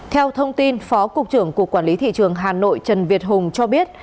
theo thông tin phó cục trưởng cục quản lý thị trường hà nội trần việt hùng cho biết